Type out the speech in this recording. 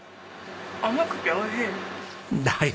甘くて美味しい。